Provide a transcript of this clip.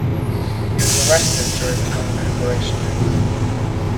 He was arrested during the Non-Cooperation Movement.